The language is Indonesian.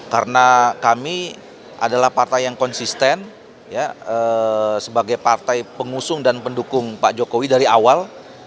karena kami adalah partai yang konsisten sebagai partai pengusung dan pendukung pak jokowi dari awal